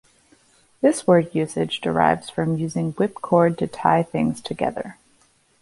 This word usage derives from using whipcord to tie things together.